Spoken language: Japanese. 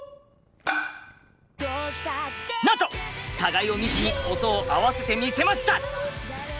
なんと互いを見ずに音を合わせてみせました。